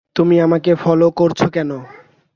তুমি আমাকে ফলো করছো কেনো?